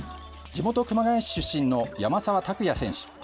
地元・熊谷市出身の山沢拓也選手